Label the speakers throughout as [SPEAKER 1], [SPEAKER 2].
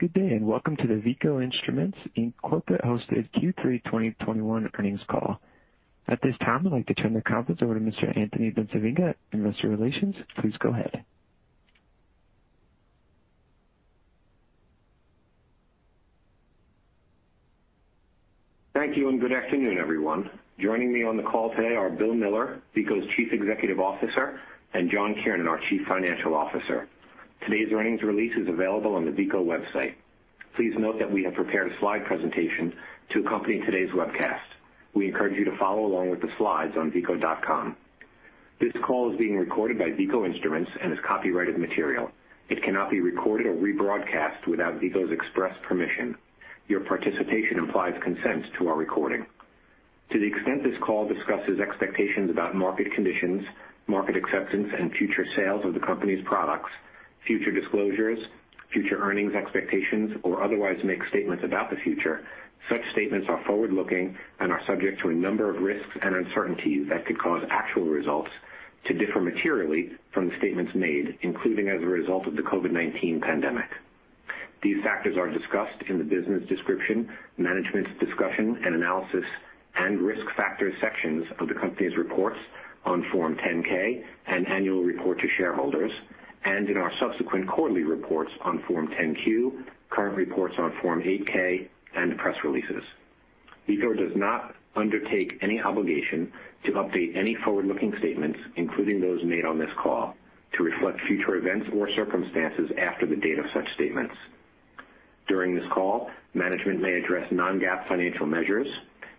[SPEAKER 1] Good day, and welcome to the Veeco Instruments Inc. hosted Q3 2021 earnings call. At this time, I'd like to turn the conference over to Mr. Anthony Bencivenga, Investor Relations. Please go ahead.
[SPEAKER 2] Thank you, and good afternoon, everyone. Joining me on the call today are Bill Miller, Veeco's Chief Executive Officer, and John Kiernan, our Chief Financial Officer. Today's earnings release is available on the Veeco website. Please note that we have prepared a slide presentation to accompany today's webcast. We encourage you to follow along with the slides on veeco.com. This call is being recorded by Veeco Instruments and is copyrighted material. It cannot be recorded or rebroadcast without Veeco's express permission. Your participation implies consent to our recording. To the extent this call discusses expectations about market conditions, market acceptance, and future sales of the company's products, future disclosures, future earnings expectations, or otherwise makes statements about the future, such statements are forward-looking and are subject to a number of risks and uncertainties that could cause actual results to differ materially from the statements made, including as a result of the COVID-19 pandemic. These factors are discussed in the Business Description, Management's Discussion and Analysis, and Risk Factors sections of the company's reports on Form 10-K and Annual Report to Shareholders, and in our subsequent quarterly reports on Form 10-Q, current reports on Form 8-K, and press releases. Veeco does not undertake any obligation to update any forward-looking statements, including those made on this call, to reflect future events or circumstances after the date of such statements. During this call, management may address non-GAAP financial measures.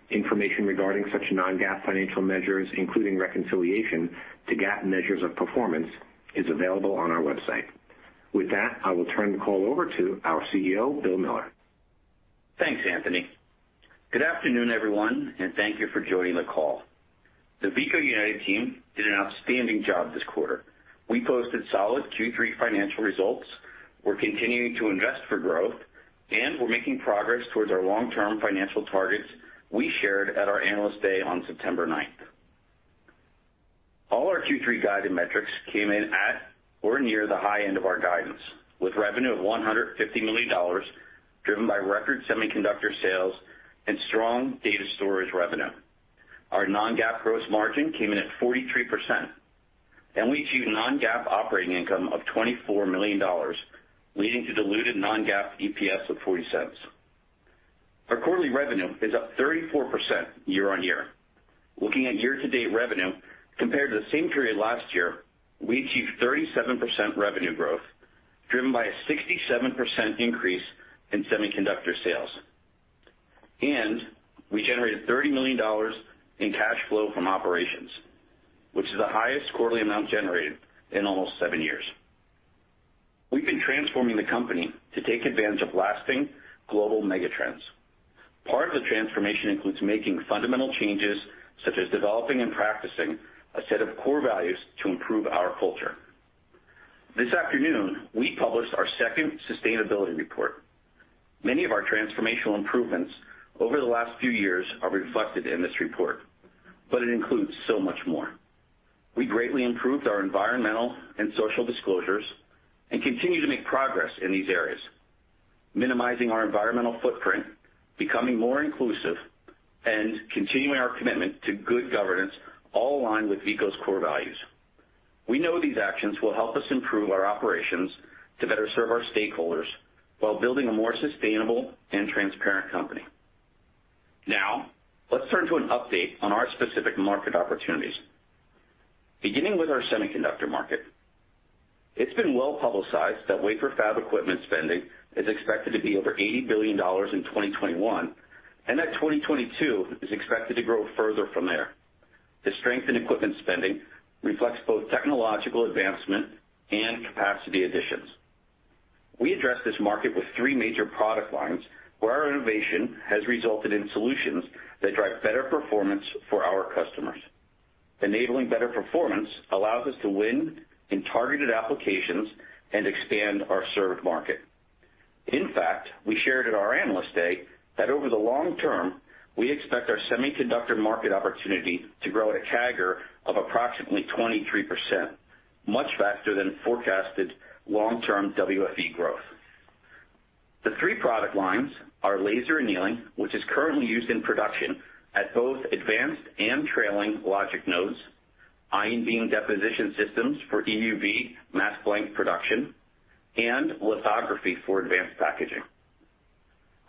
[SPEAKER 2] Information regarding such non-GAAP financial measures, including reconciliation to GAAP measures of performance, is available on our website. With that, I will turn the call over to our CEO, Bill Miller.
[SPEAKER 3] Thanks, Anthony. Good afternoon, everyone, and thank you for joining the call. The Veeco United team did an outstanding job this quarter. We posted solid Q3 financial results. We're continuing to invest for growth, and we're making progress towards our long-term financial targets we shared at our Analyst Day on September 9th. All our Q3 guided metrics came in at or near the high end of our guidance, with revenue of $150 million driven by record semiconductor sales and strong data storage revenue. Our non-GAAP gross margin came in at 43%, and we achieved non-GAAP operating income of $24 million, leading to diluted non-GAAP EPS of $0.40. Our quarterly revenue is up 34% year-on-year. Looking at year-to-date revenue compared to the same period last year, we achieved 37% revenue growth, driven by a 67% increase in semiconductor sales. We generated $30 million in cash flow from operations, which is the highest quarterly amount generated in almost seven years. We've been transforming the company to take advantage of lasting global megatrends. Part of the transformation includes making fundamental changes, such as developing and practicing a set of core values to improve our culture. This afternoon, we published our second sustainability report. Many of our transformational improvements over the last few years are reflected in this report, but it includes so much more. We greatly improved our environmental and social disclosures and continue to make progress in these areas, minimizing our environmental footprint, becoming more inclusive, and continuing our commitment to good governance, all aligned with Veeco's core values. We know these actions will help us improve our operations to better serve our stakeholders while building a more sustainable and transparent company. Now, let's turn to an update on our specific market opportunities. Beginning with our semiconductor market. It's been well-publicized that wafer fab equipment spending is expected to be over $80 billion in 2021, and that 2022 is expected to grow further from there. The strength in equipment spending reflects both technological advancement and capacity additions. We address this market with three major product lines, where our innovation has resulted in solutions that drive better performance for our customers. Enabling better performance allows us to win in targeted applications and expand our served market. In fact, we shared at our Analyst Day that over the long term, we expect our semiconductor market opportunity to grow at a CAGR of approximately 23%, much faster than forecasted long-term WFE growth. The three product lines are laser annealing, which is currently used in production at both advanced and trailing logic nodes, ion beam deposition systems for EUV mask blank production, and lithography for advanced packaging.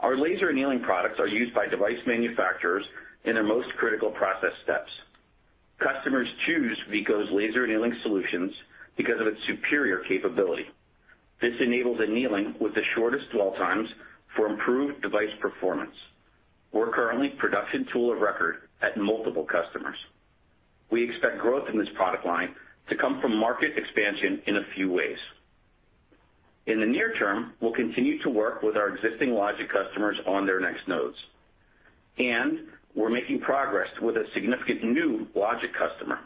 [SPEAKER 3] Our laser annealing products are used by device manufacturers in their most critical process steps. Customers choose Veeco's laser annealing solutions because of its superior capability. This enables annealing with the shortest dwell times for improved device performance. We're currently production tool of record at multiple customers. We expect growth in this product line to come from market expansion in a few ways. In the near term, we'll continue to work with our existing logic customers on their next nodes, and we're making progress with a significant new logic customer.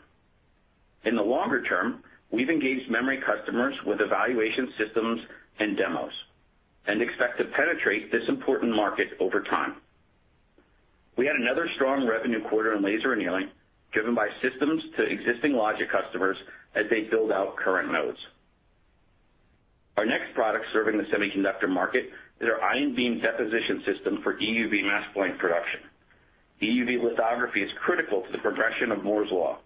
[SPEAKER 3] In the longer term, we've engaged memory customers with evaluation systems and demos and expect to penetrate this important market over time. We had another strong revenue quarter in laser annealing, driven by systems to existing logic customers as they build out current nodes. Our next product serving the semiconductor market is our ion beam deposition system for EUV mask blank production. EUV lithography is critical to the progression of Moore's Law.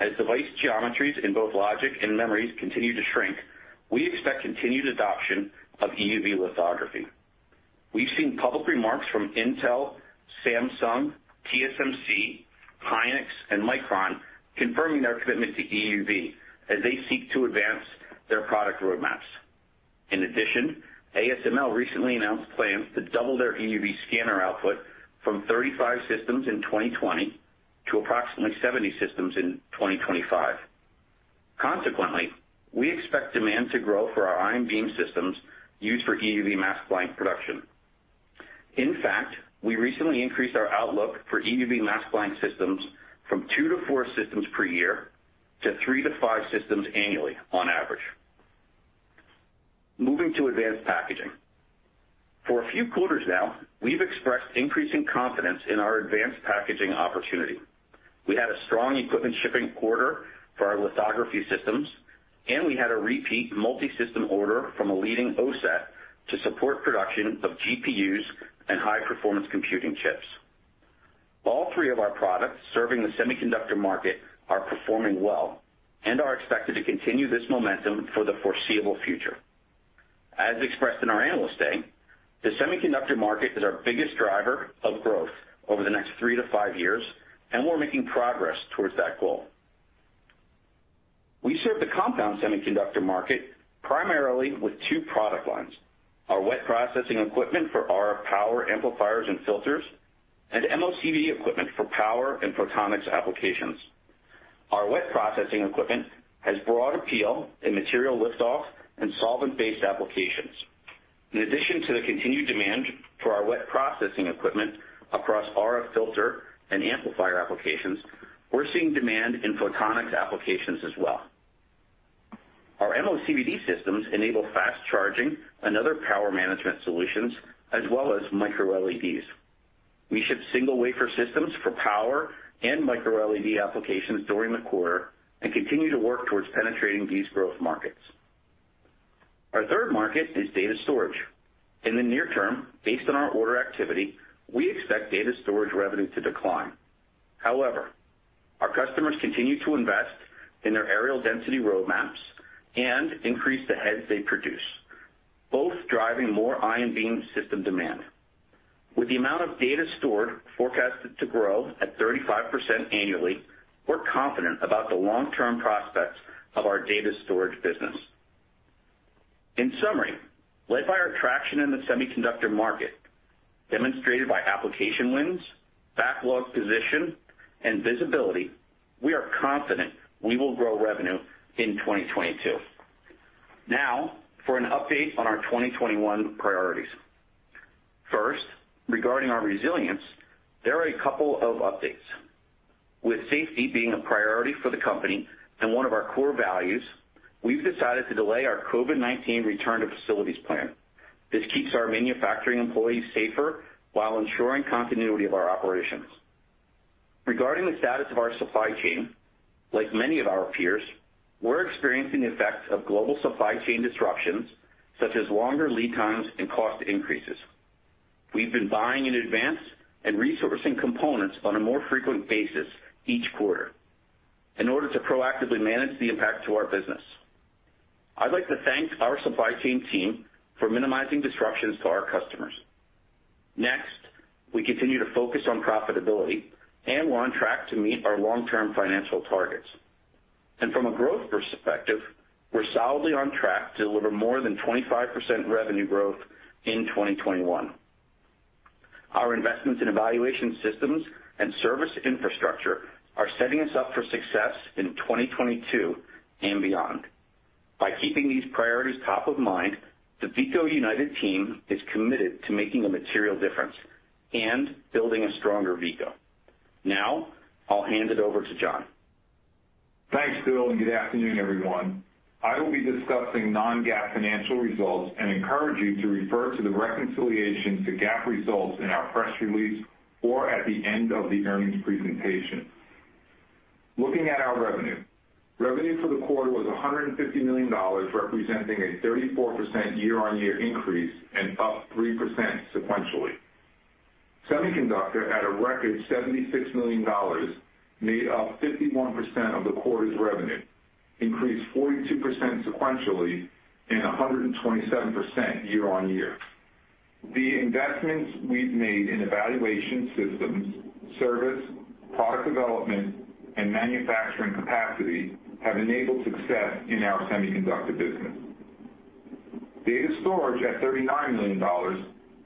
[SPEAKER 3] As device geometries in both logic and memories continue to shrink, we expect continued adoption of EUV lithography. We've seen public remarks from Intel, Samsung, TSMC, SK hynix, and Micron confirming their commitment to EUV as they seek to advance their product roadmaps. In addition, ASML recently announced plans to double their EUV scanner output from 35 systems in 2020 to approximately 70 systems in 2025. Consequently, we expect demand to grow for our ion beam systems used for EUV mask blank production. In fact, we recently increased our outlook for EUV mask blank systems from two to four systems per year to three to five systems annually on average. Moving to advanced packaging. For a few quarters now, we've expressed increasing confidence in our advanced packaging opportunity. We had a strong equipment shipping quarter for our lithography systems, and we had a repeat multi-system order from a leading OSAT to support production of GPUs and high-performance computing chips. All three of our products serving the semiconductor market are performing well and are expected to continue this momentum for the foreseeable future. As expressed in our Analyst Day, the semiconductor market is our biggest driver of growth over the next three to five years, and we're making progress towards that goal. We serve the compound semiconductor market primarily with two product lines, our wet processing equipment for RF power amplifiers and filters, and MOCVD equipment for power and photonics applications. Our wet processing equipment has broad appeal in material lift-off and solvent-based applications. In addition to the continued demand for our wet processing equipment across RF filter and amplifier applications, we're seeing demand in photonics applications as well. Our MOCVD systems enable fast charging and other power management solutions, as well as micro-LEDs. We ship single-wafer systems for power and micro-LED applications during the quarter and continue to work towards penetrating these growth markets. Our third market is data storage. In the near term, based on our order activity, we expect data storage revenue to decline. However, our customers continue to invest in their areal density roadmaps and increase the heads they produce, both driving more ion beam system demand. With the amount of data stored forecasted to grow at 35% annually, we're confident about the long-term prospects of our data storage business. In summary, led by our traction in the semiconductor market, demonstrated by application wins, backlog position, and visibility, we are confident we will grow revenue in 2022. Now, for an update on our 2021 priorities. First, regarding our resilience, there are a couple of updates. With safety being a priority for the company and one of our core values, we've decided to delay our COVID-19 return to facilities plan. This keeps our manufacturing employees safer while ensuring continuity of our operations. Regarding the status of our supply chain, like many of our peers, we're experiencing the effects of global supply chain disruptions, such as longer lead times and cost increases. We've been buying in advance and resourcing components on a more frequent basis each quarter in order to proactively manage the impact to our business. I'd like to thank our supply chain team for minimizing disruptions to our customers. Next, we continue to focus on profitability, and we're on track to meet our long-term financial targets. From a growth perspective, we're solidly on track to deliver more than 25% revenue growth in 2021. Our investments in evaluation systems and service infrastructure are setting us up for success in 2022 and beyond. By keeping these priorities top of mind, the Veeco United Team is committed to making a material difference and building a stronger Veeco. Now, I'll hand it over to John.
[SPEAKER 4] Thanks, Bill, and good afternoon, everyone. I will be discussing non-GAAP financial results and encourage you to refer to the reconciliation to GAAP results in our press release or at the end of the earnings presentation. Looking at our revenue. Revenue for the quarter was $150 million, representing a 34% year-on-year increase and up 3% sequentially. Semiconductor at a record $76 million, made up 51% of the quarter's revenue, increased 42% sequentially and 127% year-on-year. The investments we've made in evaluation systems, service, product development, and manufacturing capacity have enabled success in our [Semiconductor] business. Data Storage at $39 million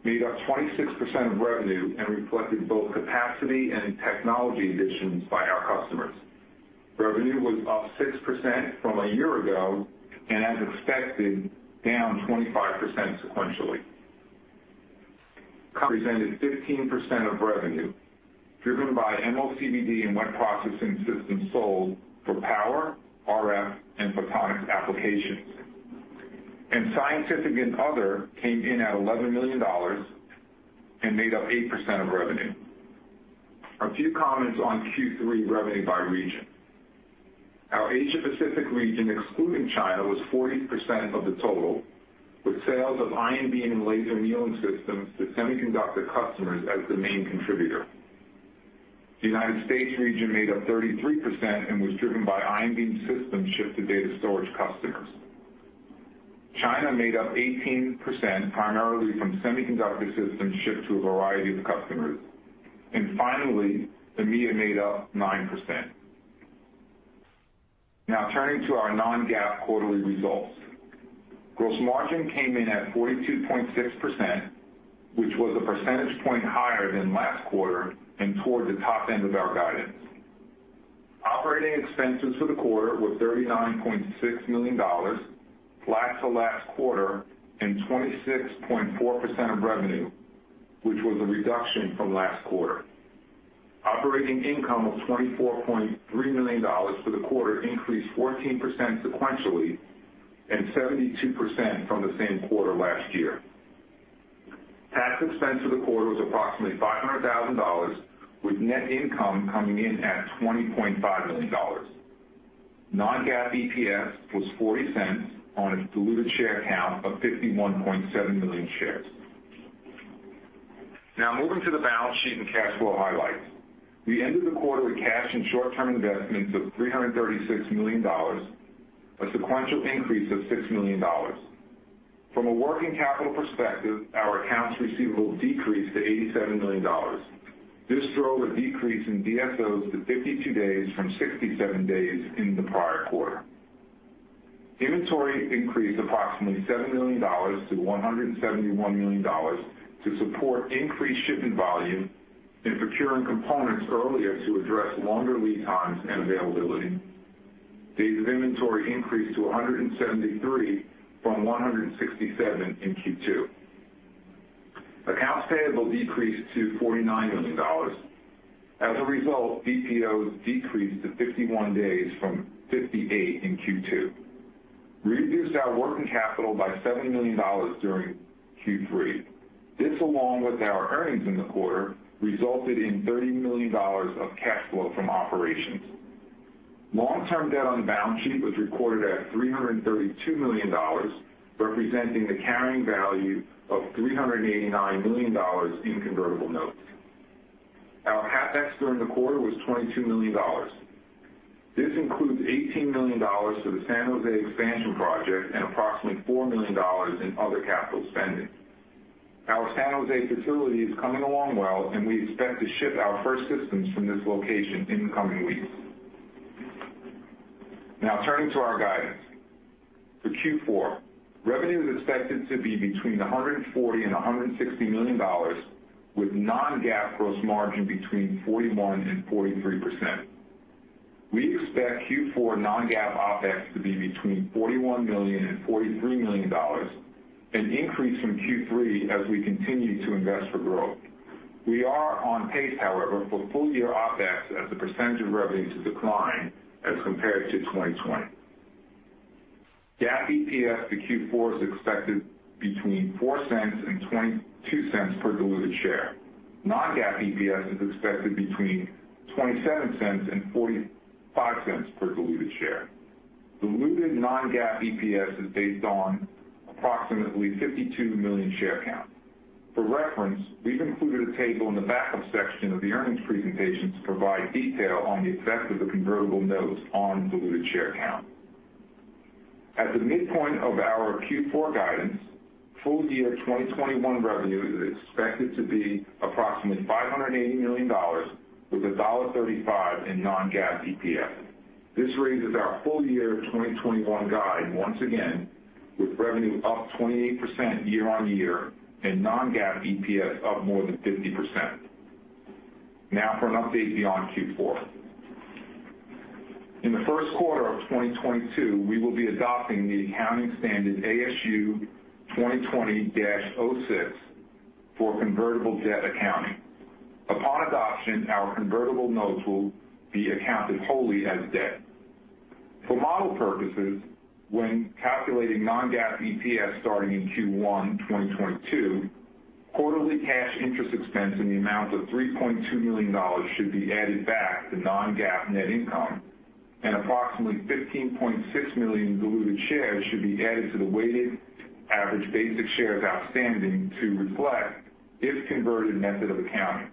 [SPEAKER 4] made up 26% of revenue and reflected both capacity and technology additions by our customers. Revenue was up 6% from a year ago and as expected, down 25% sequentially. Represented 15% of revenue, driven by MOCVD and wet processing systems sold for power, RF, and photonics applications. Scientific and other came in at $11 million and made up 8% of revenue. A few comments on Q3 revenue by region. Our Asia Pacific region, excluding China, was 40% of the total, with sales of ion beam and laser annealing systems to semiconductor customers as the main contributor. The United States region made up 33% and was driven by ion beam systems shipped to data storage customers. China made up 18%, primarily from semiconductor systems shipped to a variety of customers. Finally, EMEA made up 9%. Now turning to our non-GAAP quarterly results. Gross margin came in at 42.6%, which was a percentage point higher than last quarter and toward the top end of our guidance. Operating expenses for the quarter were $39.6 million, flat to last quarter, and 26.4% of revenue, which was a reduction from last quarter. Operating income of $24.3 million for the quarter increased 14% sequentially and 72% from the same quarter last year. Tax expense for the quarter was approximately $500,000, with net income coming in at $20.5 million. Non-GAAP EPS was $0.40 on a diluted share count of 51.7 million shares. Now moving to the balance sheet and cash flow highlights. We ended the quarter with cash and short-term investments of $336 million, a sequential increase of $6 million. From a working capital perspective, our accounts receivable decreased to $87 million. This drove a decrease in DSO to 52 days from 67 days in the prior quarter. Inventory increased approximately $7 million to $171 million to support increased shipment volume and procuring components earlier to address longer lead times and availability. Days of inventory increased to 173 from 167 in Q2. Accounts payable decreased to $49 million. As a result, DPO decreased to 51 days from 58 in Q2. We reduced our working capital by $70 million during Q3. This, along with our earnings in the quarter, resulted in $30 million of cash flow from operations. Long-term debt on the balance sheet was recorded at $332 million, representing the carrying value of $389 million in convertible notes. Our CapEx during the quarter was $22 million. This includes $18 million for the San Jose expansion project and approximately $4 million in other capital spending. Our San Jose facility is coming along well, and we expect to ship our first systems from this location in the coming weeks. Now turning to our guidance. For Q4, revenue is expected to be between $140 million and $160 million, with non-GAAP gross margin between 41% and 43%. We expect Q4 non-GAAP OpEx to be between $41 million and $43 million, an increase from Q3 as we continue to invest for growth. We are on pace, however, for full-year OpEx as a percentage of revenue to decline as compared to 2020. GAAP EPS for Q4 is expected between $0.04 and $0.22 per diluted share. Non-GAAP EPS is expected between $0.27 and $0.45 per diluted share. Diluted non-GAAP EPS is based on approximately 52 million share count. For reference, we've included a table in the backup section of the earnings presentation to provide detail on the effect of the convertible notes on diluted share count. At the midpoint of our Q4 guidance, full-year 2021 revenue is expected to be approximately $580 million, with $1.35 in non-GAAP EPS. This raises our full-year 2021 guide once again, with revenue up 28% year on year and non-GAAP EPS up more than 50%. Now for an update beyond Q4. In the first quarter of 2022, we will be adopting the accounting standard ASU 2020-06 for convertible debt accounting. Upon adoption, our convertible notes will be accounted wholly as debt. For model purposes, when calculating non-GAAP EPS starting in Q1 2022, quarterly cash interest expense in the amount of $3.2 million should be added back to non-GAAP net income, and approximately 15.6 million diluted shares should be added to the weighted average basic shares outstanding to reflect if converted method of accounting,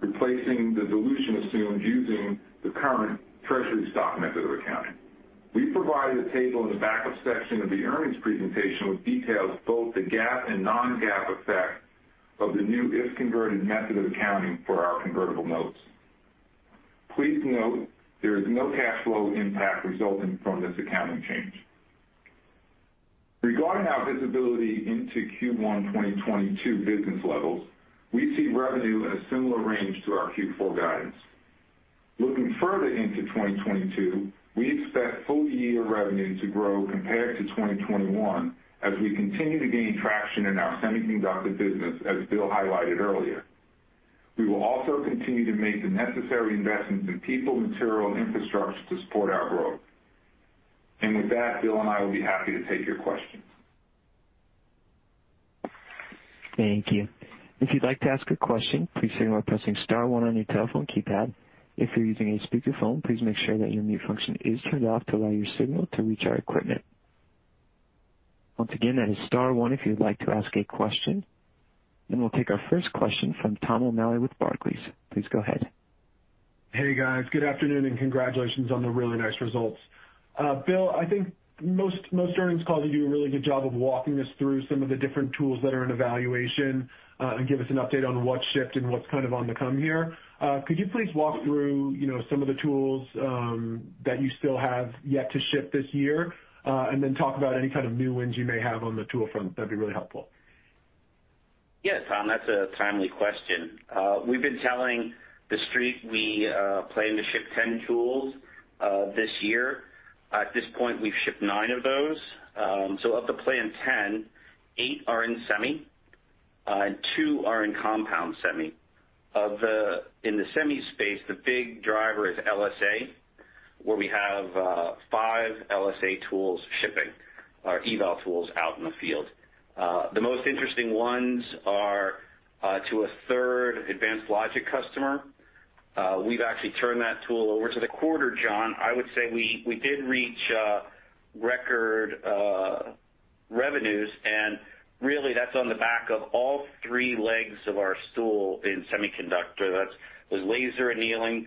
[SPEAKER 4] replacing the dilution assumed using the current treasury stock method of accounting. We provided a table in the backup section of the earnings presentation, which details both the GAAP and non-GAAP effect of the new if converted method of accounting for our convertible notes. Please note there is no cash flow impact resulting from this accounting change. Regarding our visibility into Q1 2022 business levels, we see revenue in a similar range to our Q4 guidance. Looking further into 2022, we expect full year revenue to grow compared to 2021 as we continue to gain traction in our semiconductor business, as Bill highlighted earlier. We will also continue to make the necessary investments in people, material, and infrastructure to support our growth. With that, Bill and I will be happy to take your questions.
[SPEAKER 1] Thank you. If you'd like to ask a question, please signal by pressing star one on your telephone keypad. If you're using a speakerphone, please make sure that your mute function is turned off to allow your signal to reach our equipment. Once again, that is star one, if you'd like to ask a question. We'll take our first question from Tom O'Malley with Barclays. Please go ahead.
[SPEAKER 5] Hey, guys. Good afternoon, and congratulations on the really nice results. Bill, I think most earnings calls you do a really good job of walking us through some of the different tools that are in evaluation, and give us an update on what's shipped and what's kind of on the come here. Could you please walk through, you know, some of the tools that you still have yet to ship this year, and then talk about any kind of new wins you may have on the tool front? That'd be really helpful.
[SPEAKER 3] Yeah, Tom, that's a timely question. We've been telling the Street we plan to ship 10 tools this year. At this point, we've shipped nine of those. So of the planned 10, eight are in semi and two are in compound semi. In the semi space, the big driver is LSA, where we have five LSA tools shipping, our eval tools out in the field. The most interesting ones are to a third advanced logic customer. We've actually turned that tool over. Turning to the quarter, John, I would say we did reach record revenues, and really that's on the back of all three legs of our stool in semiconductor. That's the laser annealing.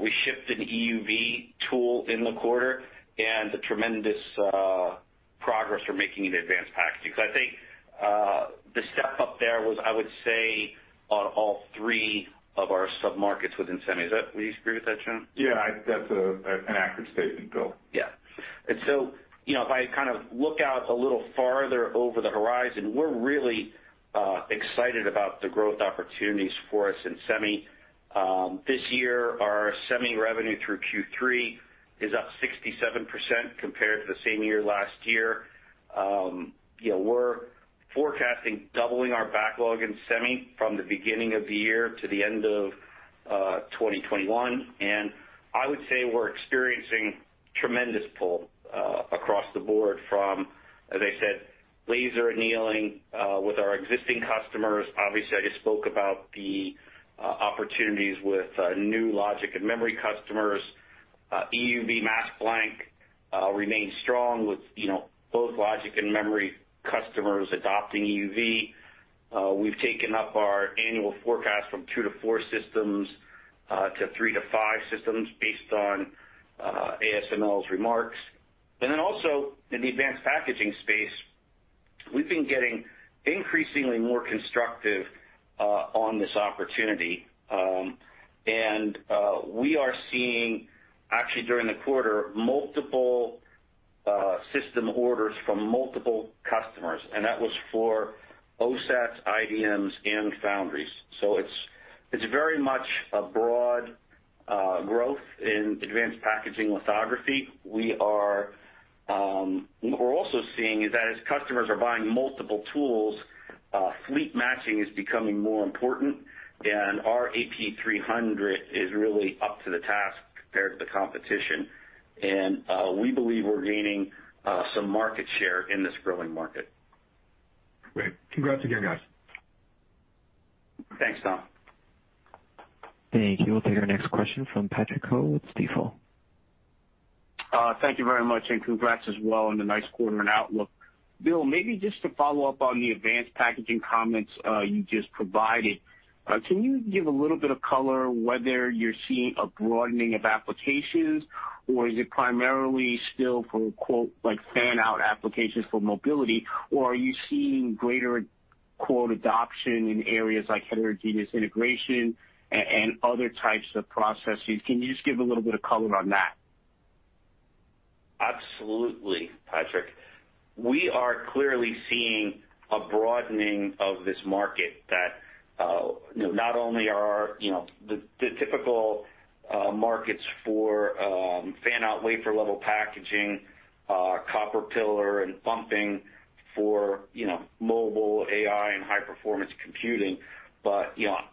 [SPEAKER 3] We shipped an EUV tool in the quarter and the tremendous progress we're making in advanced packaging. I think the step up there was, I would say, on all three of our sub-markets within semi. Will you agree with that, John?
[SPEAKER 4] Yeah, that's an accurate statement, Bill.
[SPEAKER 3] Yeah. You know, if I kind of look out a little farther over the horizon, we're really excited about the growth opportunities for us in semi. This year, our semi revenue through Q3 is up 67% compared to the same year last year. You know, we're forecasting doubling our backlog in semi from the beginning of the year to the end of 2021. I would say we're experiencing tremendous pull across the board from, as I said, laser annealing with our existing customers. Obviously, I just spoke about the opportunities with new logic and memory customers. EUV mask blank remains strong with, you know, both logic and memory customers adopting EUV. We've taken up our annual forecast from two to four systems to three to five systems based on ASML's remarks. Then also in the advanced packaging space, we've been getting increasingly more constructive on this opportunity. We are seeing actually during the quarter, multiple system orders from multiple customers, and that was for OSATs, IDMs, and foundries. It's very much a broad growth in advanced packaging lithography. We're also seeing that as customers are buying multiple tools, fleet matching is becoming more important, and our AP300 is really up to the task compared to the competition. We believe we're gaining some market share in this growing market.
[SPEAKER 5] Great. Congrats again, guys.
[SPEAKER 3] Thanks, Tom.
[SPEAKER 1] Thank you. We'll take our next question from Patrick Ho with Stifel.
[SPEAKER 6] Thank you very much, and congrats as well on the nice quarter and outlook. Bill, maybe just to follow up on the advanced packaging comments you just provided. Can you give a little bit of color whether you're seeing a broadening of applications, or is it primarily still from, quote, like fan-out applications for mobility? Or are you seeing greater, quote, adoption in areas like heterogeneous integration and other types of processes? Can you just give a little bit of color on that?
[SPEAKER 3] Absolutely, Patrick. We are clearly seeing a broadening of this market that, you know, not only are the typical markets for Fan-Out Wafer-Level Packaging, copper pillar and bumping for, you know, mobile AI and high-performance computing. What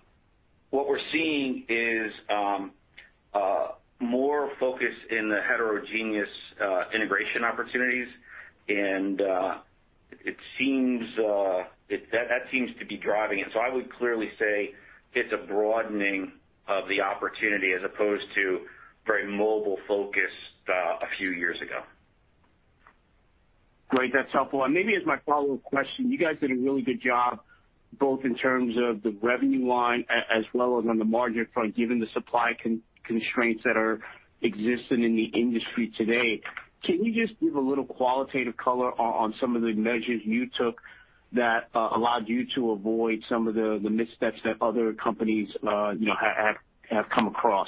[SPEAKER 3] we're seeing is more focus in the heterogeneous integration opportunities, and it seems that seems to be driving it. I would clearly say it's a broadening of the opportunity as opposed to very mobile-focused a few years ago.
[SPEAKER 6] Great. That's helpful. Maybe as my follow-up question, you guys did a really good job both in terms of the revenue line as well as on the margin front, given the supply constraints that are existing in the industry today. Can you just give a little qualitative color on some of the measures you took that allowed you to avoid some of the missteps that other companies, you know, have come across?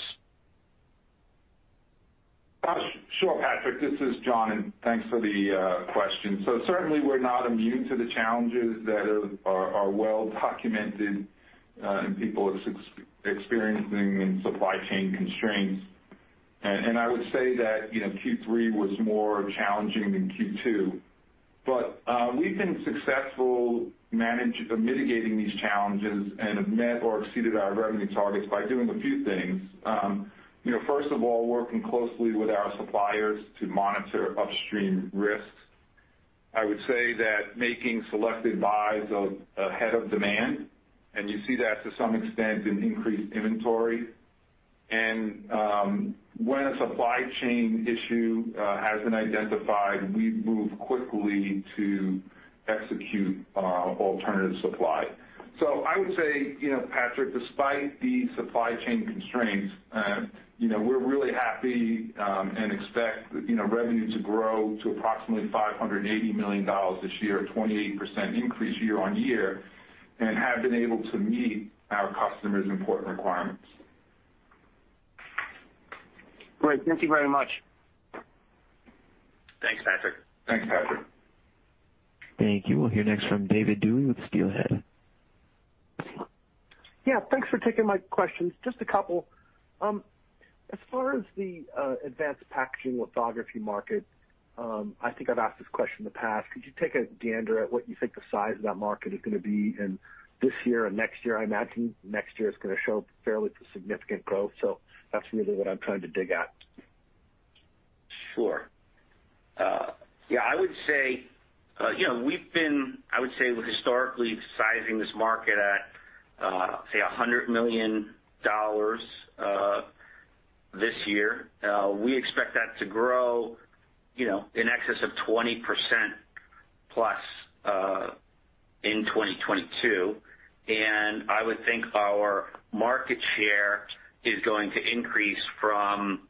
[SPEAKER 4] Sure, Patrick. This is John, and thanks for the question. Certainly, we're not immune to the challenges that are well documented, and people are experiencing in supply chain constraints. I would say that, you know, Q3 was more challenging than Q2. We've been successful mitigating these challenges and have met or exceeded our revenue targets by doing a few things, you know, first of all, working closely with our suppliers to monitor upstream risks, I would say that making selected buys ahead of demand, and you see that to some extent in increased inventory, and when a supply chain issue has been identified, we move quickly to execute alternative supply. I would say, you know, Patrick, despite the supply chain constraints, you know, we're really happy and expect, you know, revenue to grow to approximately $580 million this year, a 28% increase year-over-year, and have been able to meet our customers' important requirements.
[SPEAKER 6] Great. Thank you very much.
[SPEAKER 3] Thanks, Patrick.
[SPEAKER 4] Thanks, Patrick.
[SPEAKER 1] Thank you. We'll hear next from David Duley with Steelhead.
[SPEAKER 7] Yeah, thanks for taking my questions. Just a couple. As far as the advanced packaging lithography market, I think I've asked this question in the past. Could you take a gander at what you think the size of that market is gonna be in this year and next year? I imagine next year is gonna show fairly significant growth, so that's really what I'm trying to dig at.
[SPEAKER 3] Sure. Yeah, I would say, you know, we've been, I would say, historically sizing this market at, say, $100 million this year. We expect that to grow, you know, in excess of 20% plus in 2022. I would think our market share is going to increase from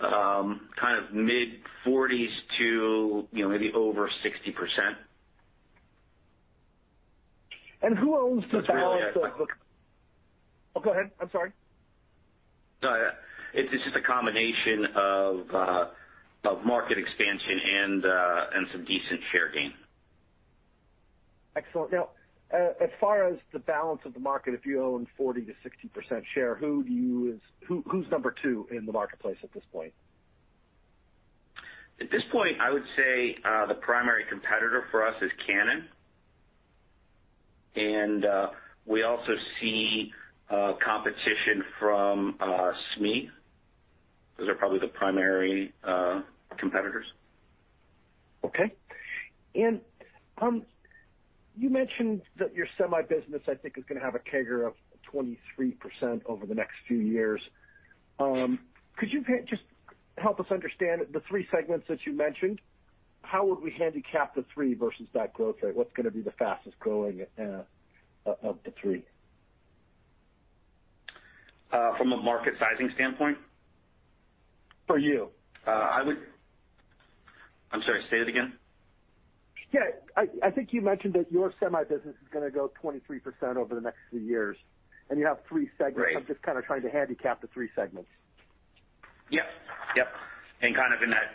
[SPEAKER 3] kind of mid-40s to, you know, maybe over 60%.
[SPEAKER 7] Oh, go ahead. I'm sorry.
[SPEAKER 3] No, it's just a combination of market expansion and some decent share gain.
[SPEAKER 7] Excellent. Now, as far as the balance of the market, if you own 40%-60% share, who's number two in the marketplace at this point?
[SPEAKER 3] At this point, I would say, the primary competitor for us is Canon. We also see competition from SMEE. Those are probably the primary competitors.
[SPEAKER 7] You mentioned that your semi business, I think, is gonna have a CAGR of 23% over the next few years. Could you just help us understand the three segments that you mentioned? How would we handicap the three versus that growth rate? What's gonna be the fastest-growing of the three?
[SPEAKER 3] From a market sizing standpoint?
[SPEAKER 7] For you.
[SPEAKER 3] I'm sorry, say it again.
[SPEAKER 7] Yeah. I think you mentioned that your semi business is gonna grow 23% over the next few years, and you have three segments.
[SPEAKER 3] Right.
[SPEAKER 7] I'm just kind of trying to handicap the three segments.
[SPEAKER 3] Yep. Kind of in that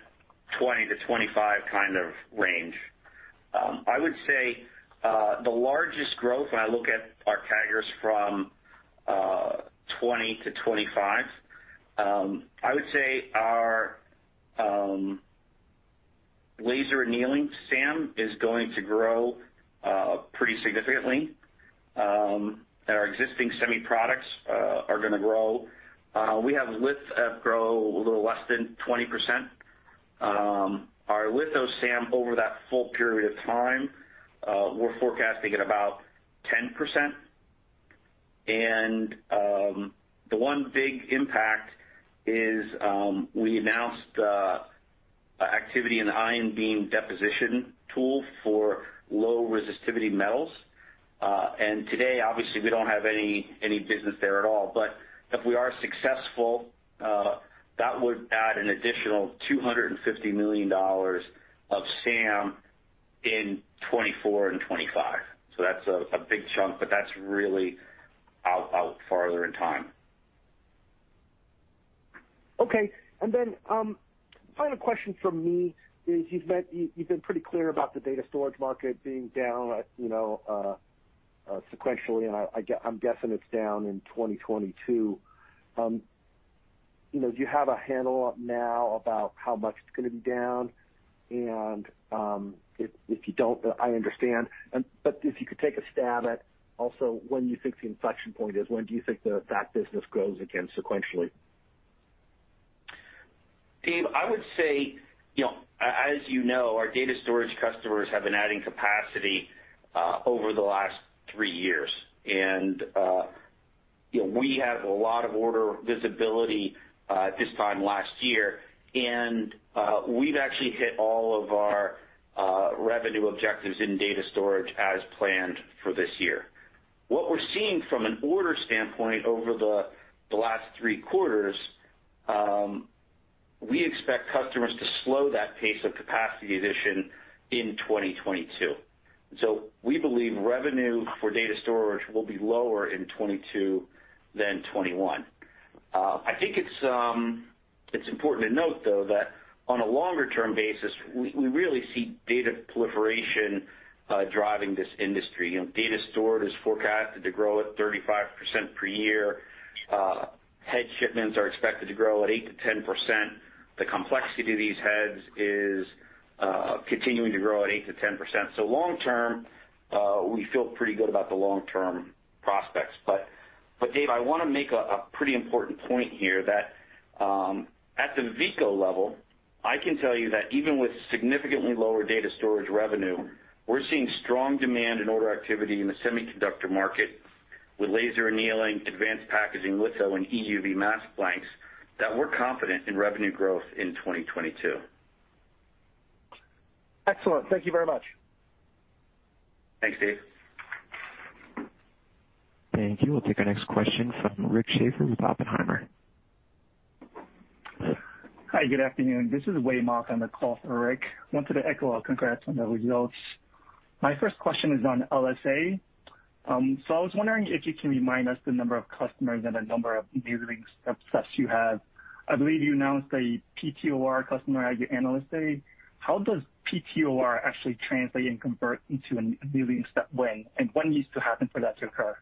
[SPEAKER 3] 20-25 kind of range. I would say the largest growth when I look at our CAGRs from 2020 to 2025, I would say our laser annealing SAM is going to grow pretty significantly. Our existing semi products are gonna grow. We have litho grow a little less than 20%. Our litho SAM over that full period of time, we're forecasting at about 10%. The one big impact is, we announced activity in the ion beam deposition tool for low resistivity metals. Today, obviously, we don't have any business there at all. If we are successful, that would add an additional $250 million of SAM in 2024 and 2025. That's a big chunk, but that's really out farther in time.
[SPEAKER 7] Okay. Final question from me is you've been pretty clear about the data storage market being down, you know, sequentially, and I'm guessing it's down in 2022. You know, do you have a handle on now about how much it's gonna be down? And if you don't, I understand. But if you could take a stab at also when you think the inflection point is. When do you think that business grows again sequentially?
[SPEAKER 3] Dave, I would say, you know, as you know, our data storage customers have been adding capacity over the last three years. You know, we have a lot of order visibility this time last year, and we've actually hit all of our revenue objectives in data storage as planned for this year. What we're seeing from an order standpoint over the last three quarters, we expect customers to slow that pace of capacity addition in 2022. We believe revenue for data storage will be lower in 2022 than 2021. I think it's important to note, though, that on a longer-term basis, we really see data proliferation driving this industry. You know, data storage is forecasted to grow at 35% per year. Head shipments are expected to grow at 8%-10%. The complexity of these heads is continuing to grow at 8%-10%. Long term, we feel pretty good about the long-term prospects. Dave, I want to make a pretty important point here that at the Veeco level, I can tell you that even with significantly lower data storage revenue, we're seeing strong demand and order activity in the semiconductor market with laser annealing, advanced packaging, litho, and EUV mask blanks that we're confident in revenue growth in 2022.
[SPEAKER 7] Excellent. Thank you very much.
[SPEAKER 3] Thanks, Dave.
[SPEAKER 1] Thank you. We'll take our next question from Rick Schafer with Oppenheimer.
[SPEAKER 8] Hi, good afternoon. This is Wei Mok on the call for Rick. Wanted to echo congrats on the results. My first question is on LSA. I was wondering if you can remind us the number of customers and the number of enabling steps you have. I believe you announced a PTOR customer at your Analyst Day. How does PTOR actually translate and convert into an enabling step win, and what needs to happen for that to occur?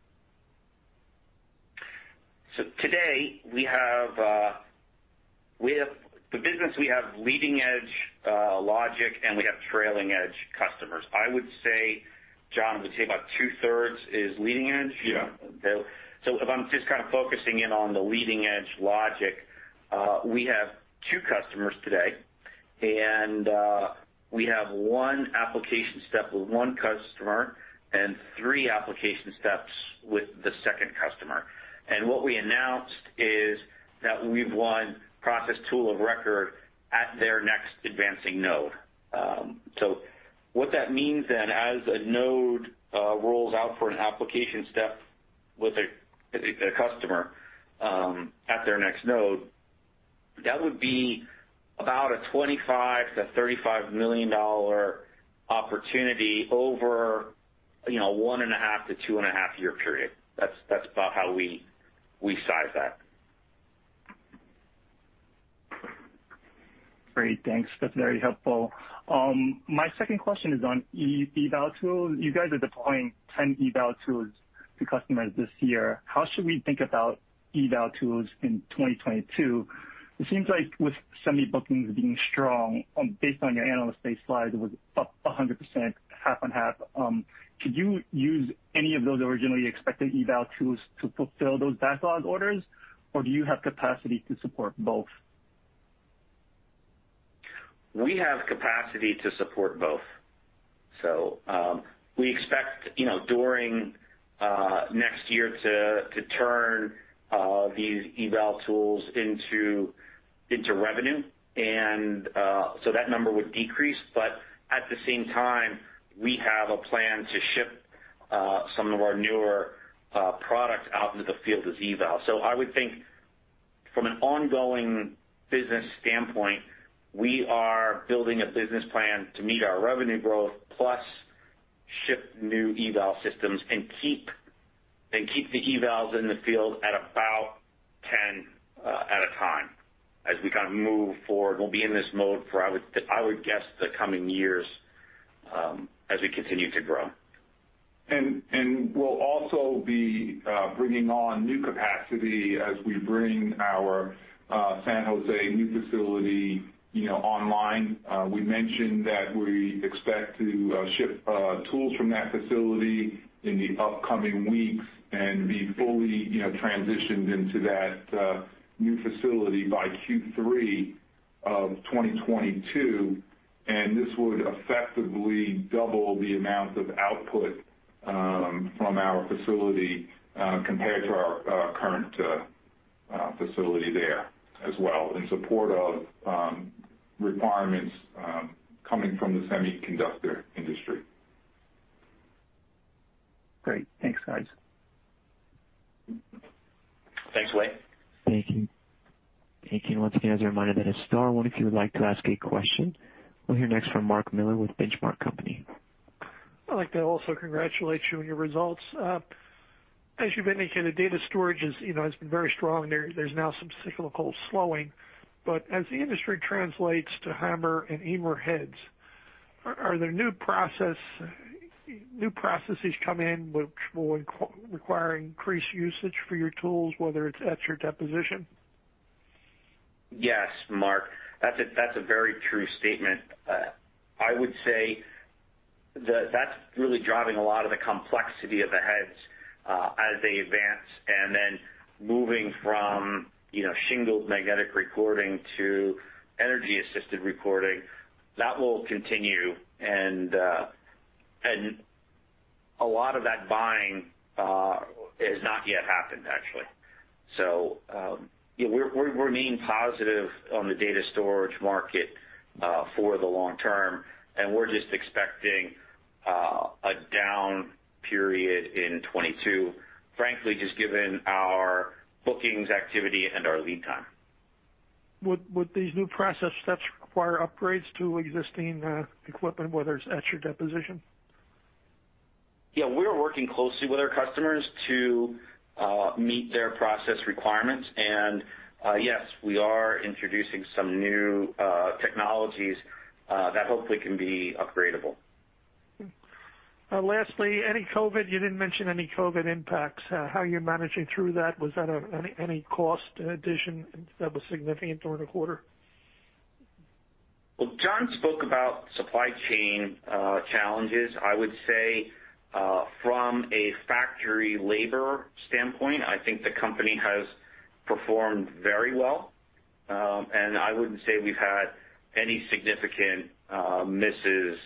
[SPEAKER 3] Today, we have leading-edge logic, and we have trailing-edge customers. I would say, John, about 2/3 is leading-edge.
[SPEAKER 4] Yeah.
[SPEAKER 3] If I'm just kind of focusing in on the leading-edge logic, we have two customers today, and we have one application step with one customer and three application steps with the second customer. What we announced is that we've won production tool of record at their next advancing node. What that means then, as a node rolls out for an application step with a customer at their next node, that would be about a $25-$35 million opportunity over, you know, 1.5-2.5 year period. That's about how we size that.
[SPEAKER 8] Great. Thanks. That's very helpful. My second question is on eval tools. You guys are deploying 10 eval tools to customers this year. How should we think about eval tools in 2022? It seems like with semi-bookings being strong, based on your Analyst Day slide, it was up 100%, half-on-half. Could you use any of those originally expected eval tools to fulfill those backlog orders, or do you have capacity to support both?
[SPEAKER 3] We have capacity to support both. We expect, you know, during next year to turn these eval tools into revenue. That number would decrease, but at the same time, we have a plan to ship some of our newer products out into the field as eval. I would think from an ongoing business standpoint, we are building a business plan to meet our revenue growth plus ship new eval systems and keep the evals in the field at about 10 at a time as we kind of move forward. We'll be in this mode for, I would guess, the coming years as we continue to grow.
[SPEAKER 4] We'll also be bringing on new capacity as we bring our San Jose new facility, you know, online. We mentioned that we expect to ship tools from that facility in the upcoming weeks and be fully, you know, transitioned into that new facility by Q3 of 2022, and this would effectively double the amount of output from our facility compared to our current facility there as well in support of requirements coming from the semiconductor industry.
[SPEAKER 8] Great. Thanks, guys.
[SPEAKER 3] Thanks, Wei.
[SPEAKER 1] Thank you. Thank you. Once again, as a reminder, that is star one if you would like to ask a question. We'll hear next from Mark Miller with Benchmark Company.
[SPEAKER 9] I'd like to also congratulate you on your results. As you've indicated, data storage is, you know, has been very strong. There's now some cyclical slowing. As the industry translates to HAMR and MAMR heads, are there new processes come in which will require increased usage for your tools, whether it's etch or deposition?
[SPEAKER 3] Yes, Mark. That's a very true statement. I would say that that's really driving a lot of the complexity of the heads as they advance, and then moving from, you know, Shingled magnetic recording to Energy-Assisted Magnetic Recording, that will continue, and a lot of that buying has not yet happened, actually. We're remaining positive on the data storage market for the long term, and we're just expecting a down period in 2022, frankly, just given our bookings activity and our lead time.
[SPEAKER 9] Would these new process steps require upgrades to existing equipment, whether it's etch or deposition?
[SPEAKER 3] Yeah, we're working closely with our customers to meet their process requirements. Yes, we are introducing some new technologies that hopefully can be upgradable.
[SPEAKER 9] Lastly, any COVID, you didn't mention any COVID impacts. How are you managing through that? Was that any cost addition that was significant during the quarter?
[SPEAKER 3] Well, John spoke about supply chain challenges. I would say, from a factory labor standpoint, I think the company has performed very well. I wouldn't say we've had any significant misses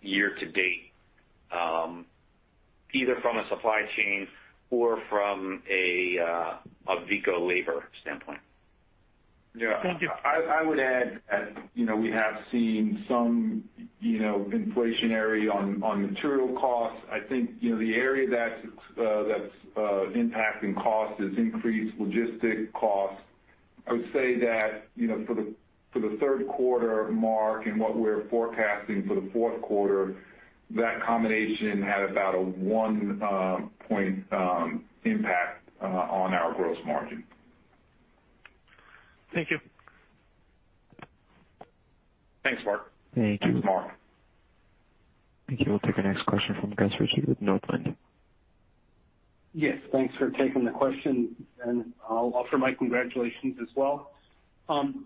[SPEAKER 3] year to date, either from a supply chain or from a Veeco labor standpoint.
[SPEAKER 9] Thank you.
[SPEAKER 4] Yeah. I would add, you know, we have seen some inflation on material costs. I think, you know, the area that's impacting cost is increased logistics costs. I would say that, you know, for the third quarter, Mark, and what we're forecasting for the fourth quarter, that combination had about a one-point impact on our gross margin.
[SPEAKER 9] Thank you.
[SPEAKER 4] Thanks, Mark.
[SPEAKER 1] Thank you.
[SPEAKER 4] Thanks, Mark.
[SPEAKER 1] Thank you. We'll take our next question from Gus Richard with Northland Capital Markets.
[SPEAKER 10] Yes, thanks for taking the question, and I'll offer my congratulations as well.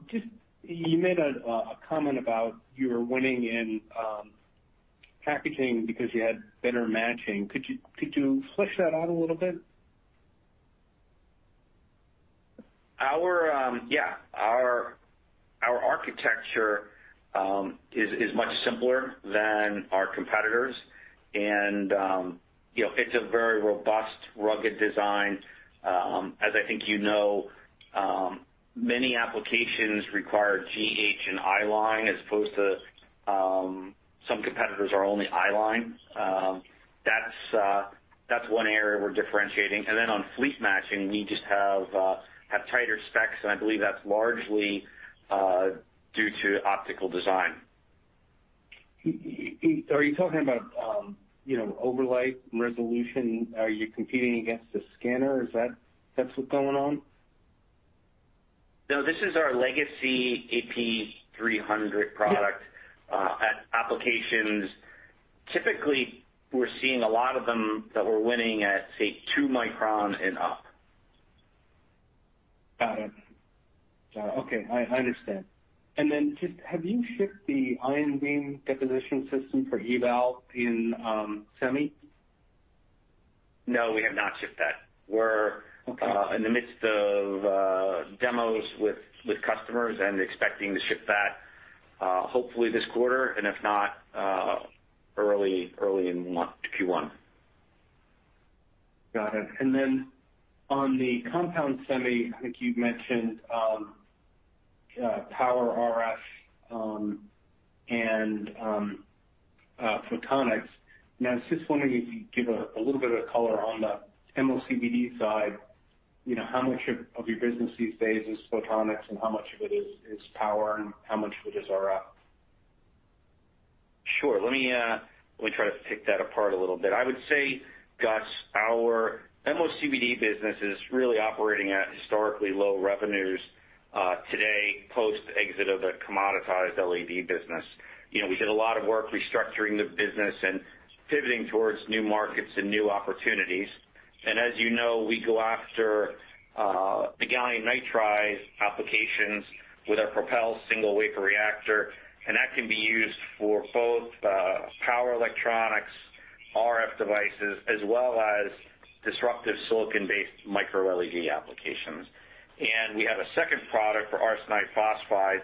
[SPEAKER 10] Just you made a comment about you were winning in packaging because you had better matching. Could you flesh that out a little bit?
[SPEAKER 3] Our architecture is much simpler than our competitors. You know, it's a very robust, rugged design. As I think you know, many applications require g-line, h-line, and i-line as opposed to some competitors are only i-line. That's one area we're differentiating. Then on fleet matching, we just have tighter specs, and I believe that's largely due to optical design.
[SPEAKER 10] Are you talking about, you know, overlay resolution? Are you competing against a scanner? Is that what's going on?
[SPEAKER 3] No, this is our legacy AP300 product, applications. Typically, we're seeing a lot of them that we're winning at, say, 2 µm and up.
[SPEAKER 10] Got it. Okay. I understand. Just have you shipped the ion beam deposition system for eval in semi?
[SPEAKER 3] No, we have not shipped that.
[SPEAKER 10] Okay.
[SPEAKER 3] We're in the midst of demos with customers and expecting to ship that hopefully this quarter, and if not, early in Q1.
[SPEAKER 10] Got it. On the compound semi, I think you've mentioned power RF and photonics. Now, I'm just wondering if you could give a little bit of color on the MOCVD side, you know, how much of your business these days is photonics, and how much of it is power, and how much of it is RF?
[SPEAKER 3] Sure. Let me try to pick that apart a little bit. I would say, Gus, our MOCVD business is really operating at historically low revenues today post exit of the commoditized LED business. You know, we did a lot of work restructuring the business and pivoting towards new markets and new opportunities. As you know, we go after the gallium nitride applications with our Propel single wafer reactor, and that can be used for both power electronics, RF devices, as well as disruptive silicon-based micro-LED applications. We have a second product for arsenide phosphide,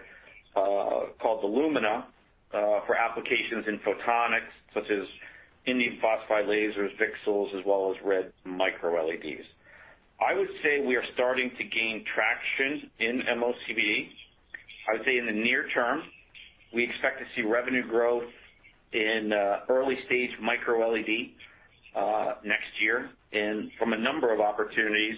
[SPEAKER 3] called the Lumina, for applications in photonics, such as indium phosphide lasers, VCSELs, as well as red micro-LEDs. I would say we are starting to gain traction in MOCVD. I would say in the near term, we expect to see revenue growth in early-stage micro-LED next year and from a number of opportunities,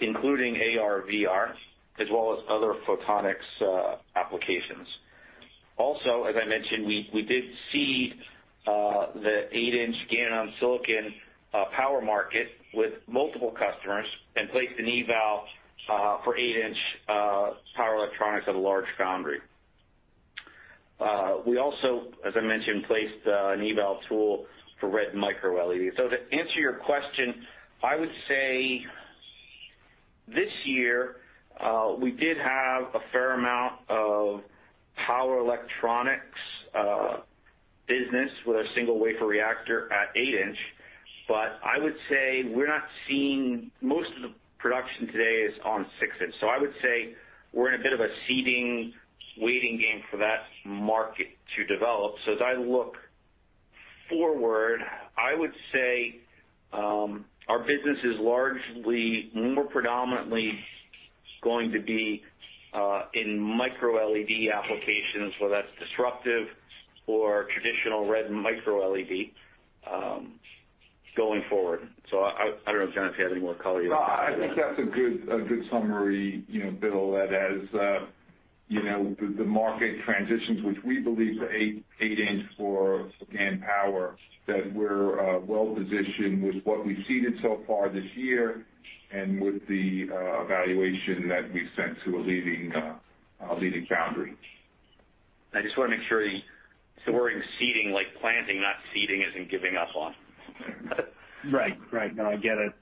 [SPEAKER 3] including AR/VR, as well as other photonics applications. Also, as I mentioned, we did see the 8-inch GaN-on-Si power market with multiple customers and placed an eval for 8-inch power electronics at a large foundry. We also, as I mentioned, placed an eval tool for red micro-LED. To answer your question, I would say this year we did have a fair amount of power electronics business with a single wafer reactor at 8-inch, but I would say we're not seeing. Most of the production today is on 6-inch. I would say we're in a bit of a seeding, waiting game for that market to develop. As I look forward, I would say, our business is largely more predominantly going to be in micro-LED applications, whether that's disruptive or traditional red micro-LED, going forward. I don't know, John, if you have any more color you would like to add.
[SPEAKER 4] No, I think that's a good summary, you know, Bill, that as you know the market transitions, which we believe are 8-inch for GaN power, that we're well-positioned with what we've seeded so far this year and with the evaluation that we've sent to a leading foundry.
[SPEAKER 3] We're seeding like planting, not ceding as in giving up on.
[SPEAKER 10] Right. No, I get it.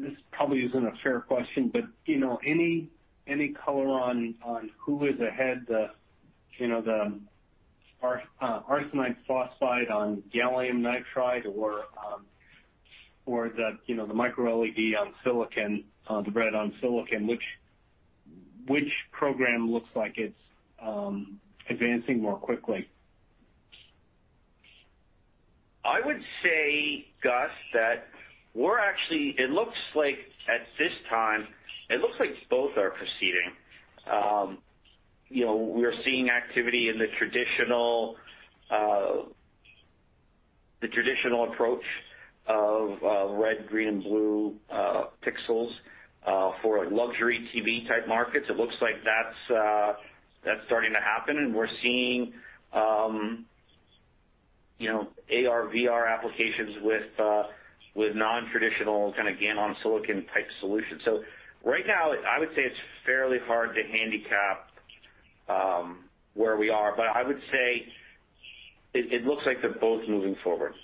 [SPEAKER 10] This probably isn't a fair question, but you know, any color on who is ahead, the arsenide phosphide on gallium nitride or the micro-LED on silicon, the red on silicon. Which program looks like it's advancing more quickly?
[SPEAKER 3] I would say, Gus, that it looks like at this time both are proceeding. You know, we're seeing activity in the traditional approach of red, green, and blue pixels for luxury TV-type markets. It looks like that's starting to happen. We're seeing you know AR/VR applications with non-traditional kind of GaN on silicon type solutions. Right now, I would say it's fairly hard to handicap where we are, but I would say it looks like they're both moving forward.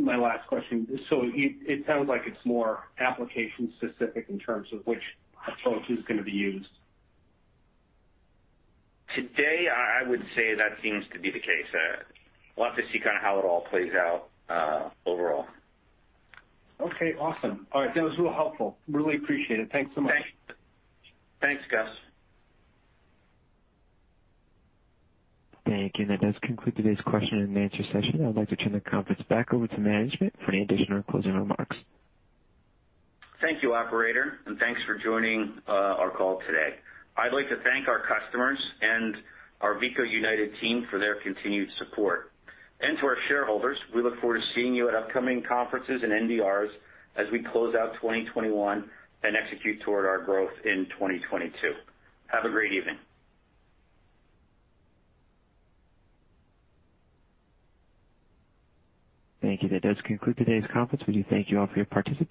[SPEAKER 10] My last question. It sounds like it's more application-specific in terms of which approach is gonna be used.
[SPEAKER 3] Today, I would say that seems to be the case. We'll have to see kinda how it all plays out, overall.
[SPEAKER 10] Okay. Awesome. All right. That was real helpful. Really appreciate it. Thanks so much.
[SPEAKER 3] Thanks. Thanks, Gus.
[SPEAKER 1] Thank you. That does conclude today's question and answer session. I'd like to turn the conference back over to management for any additional closing remarks.
[SPEAKER 3] Thank you, operator, and thanks for joining our call today. I'd like to thank our customers and our Veeco United team for their continued support. To our shareholders, we look forward to seeing you at upcoming conferences and NDRs as we close out 2021 and execute toward our growth in 2022. Have a great evening.
[SPEAKER 1] Thank you. That does conclude today's conference. We do thank you all for your participation.